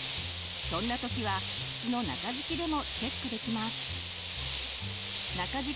そんな時は靴の中敷きでもチェックできます！